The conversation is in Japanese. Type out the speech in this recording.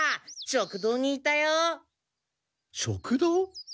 食堂？